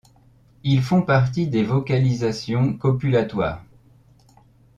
Ils font partie des vocalisations copulatoires.